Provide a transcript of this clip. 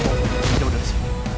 gue bakal bawa icu dia jauh dari sini